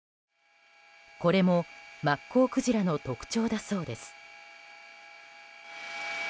これも、マッコウクジラの特徴だそうです。